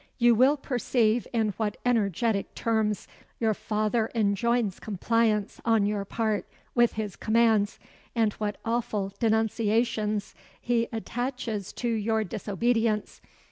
"You will perceive in what energetic terms your father enjoins compliance on your part with his commands; and what awful denunciations he attaches to your disobedience.